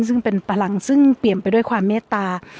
ซึ่งเป็นพลังซึ่งเปลี่ยนไปด้วยความเมตตา